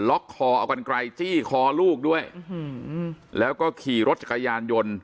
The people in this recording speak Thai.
ล็อกคอเอกลายจี้คอลูกด้วยแล้วก็ขี่รถจักรยานยนต์